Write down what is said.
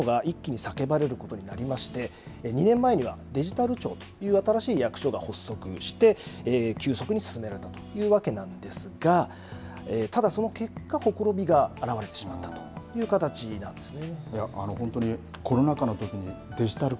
それで、このデジタル化の必要性というものが一気に叫ばれることになりまして２年前にはデジタル庁という新しい役所が発足して急速に進められたというわけなんですがただ、その結果ほころびが現れてしまったという形なんですね。